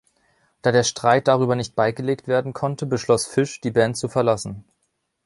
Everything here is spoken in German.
Da der Streit darüber nicht beigelegt werden konnte, beschloss Fish, die Band zu verlassen.